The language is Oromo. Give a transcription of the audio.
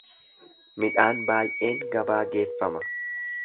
Midhaan baay’een gabaa geeffama.